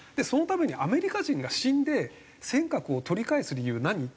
そのためにアメリカ人が死んで尖閣を取り返す理由何？